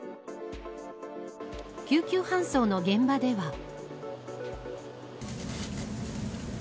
救急搬送の現場では。